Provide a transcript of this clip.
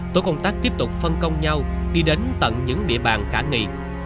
tối công tác tiếp tục phân công nhau đi đến tận những địa bàn khả nghị